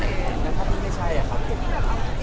แล้วถ้าที่ไม่ใช่อ่ะคะ